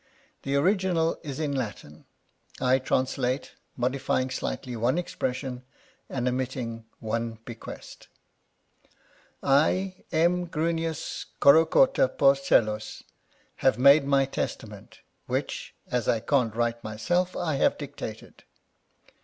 The original is in Latin ; I translate, modifying slightly one expression and omitting one bequest : I, M. Grunnius Corocotta Porcellus, have made my testa ment, which, as I can't write myself, I have dictated.